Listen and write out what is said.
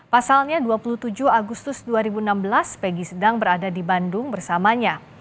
pasalnya dua puluh tujuh agustus dua ribu enam belas peggy sedang berada di bandung bersamanya